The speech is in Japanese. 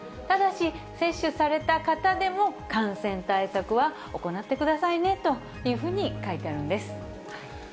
ただし、接種された方でも、感染対策は行ってくださいねというふうに書いてあるんです。